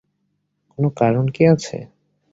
কোনো কারণ কি আছে?